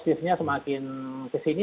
bahwa dosisnya semakin kesini